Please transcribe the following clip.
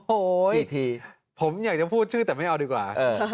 โอ้ยผมอยากจะพูดชื่อแต่ไม่เอาดีกว่า